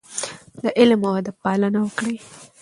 د علم او ادب پالنه وکړئ.